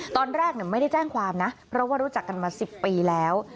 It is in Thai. ตอนแรกไม่ได้แจ้งความนะเพราะว่ารู้จักกันมา๑๐ปีแล้ว